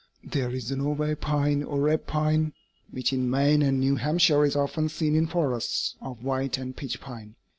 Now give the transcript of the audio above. "There is the Norway pine, or red pine, which in Maine and New Hampshire is often seen in forests of white and pitch pine.